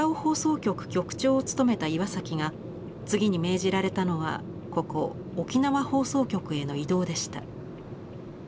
局長を務めた岩崎が次に命じられたのはここ沖縄放送局への異動でした。